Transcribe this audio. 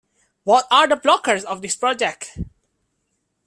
What are the blockers of this project?